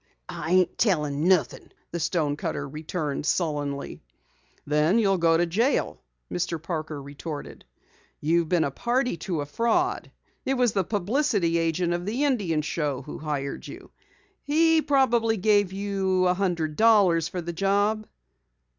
"I ain't tellin' nothing," the stonecutter returned sullenly. "Then you'll go to jail," Mr. Parker retorted. "You've been a party to a fraud. It was the publicity agent of the Indian Show who hired you. He probably gave you a hundred dollars for the job."